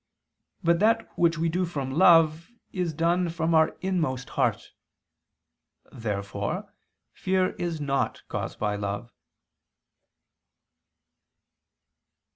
But that which we do from love, is done from our inmost heart. Therefore fear is not caused by love.